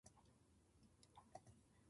兄弟が会うこと。